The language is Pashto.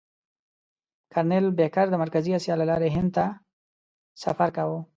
کرنل بېکر د مرکزي اسیا له لارې هند ته سفر کاوه.